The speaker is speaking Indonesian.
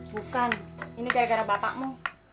bukan ini gara gara bapakmu